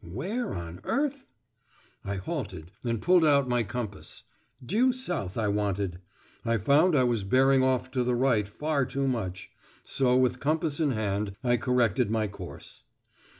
Where on earth? I halted and pulled out my compass. Due south I wanted. I found I was bearing off to the right far too much, so with compass in hand I corrected my course.